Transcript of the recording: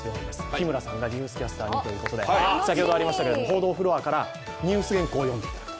日村さんがニュースキャスターにということで先ほどありましたけども、報道フロアからニュース原稿を読んでいただくと。